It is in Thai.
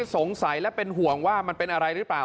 สงสัยและเป็นห่วงว่ามันเป็นอะไรหรือเปล่า